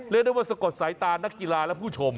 เรียกได้ว่าสะกดสายตานักกีฬาและผู้ชม